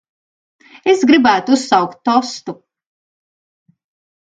Es gribētu uzsaukt tostu.